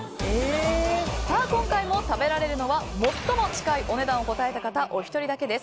今回も食べられるのは最も近いお値段を答えた方お一人だけです。